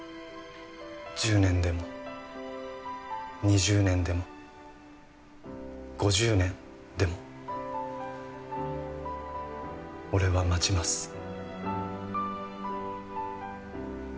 １０年でも２０年でも５０年でも俺は待ちます